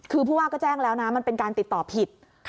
คือผู้ว่าก็แจ้งแล้วนะมันเป็นการติดต่อผิด